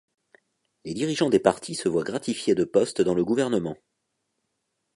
Les dirigeants des partis se voient gratifiés de postes dans le gouvernement.